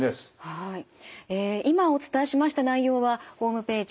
ええ今お伝えしました内容はホームページ